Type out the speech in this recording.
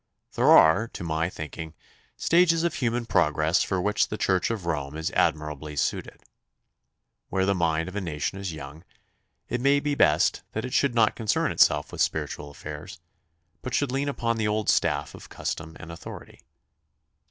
There are, to my thinking, stages of human progress for which the Church of Rome is admirably suited. Where the mind of a nation is young, it may be best that it should not concern itself with spiritual affairs, but should lean upon the old staff of custom and authority.